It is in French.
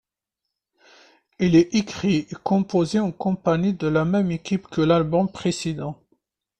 Il est écrit et composé en compagnie de la même équipe que l'album précédent.